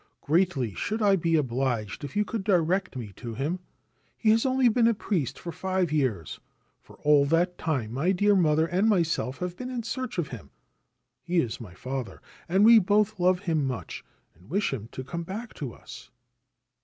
Greatly should I be obliged if you could direct me to him. He has only been a priest for five years. For all that time my dear mother and myself 78 The Story of Kato Sayemon have been in search of him. He is my father, and we both love him much, and wish him to come back to us